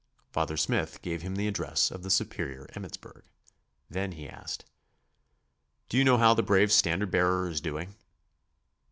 Father Smith gave him the address of the Superior Emmitsburg. Then he asked: "Do you know how the brave standard bearer is doing?"